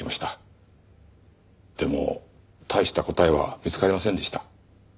でも大した答えは見つかりませんでした。